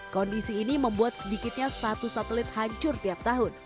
kondisi ini membuat sedikitnya satu satelit hancur tiap tahun